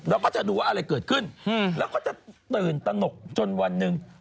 เราก็จะดูว่าอะไรเกิดขึ้นแล้วก็จะตื่นตนกจนวันหนึ่ง